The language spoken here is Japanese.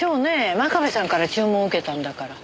真壁さんから注文受けたんだから。